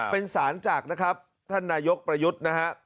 เป็นสารจากนะครับท่านนายกประยุทธ์นะฮะ